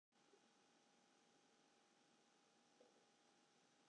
By de omrop stie ik oanskreaun as saakkundige foar East-Europa.